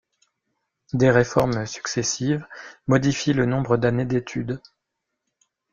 Des réformes successives modifient le nombre d'années d'études.